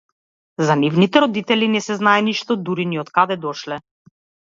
За нивните родители не се знае ништо, дури ни од каде дошле.